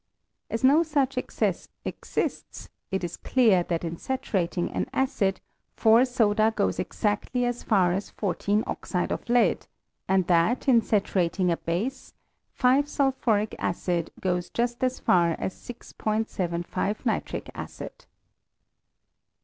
As no such ex cess exists, it is clear that in saturatino; an acid, 4 soda goes exactly as far as 14 oxide of lead ; and that, in saturating a base, 5 sulphuric acid goes just as far as 6'75 nitric acid.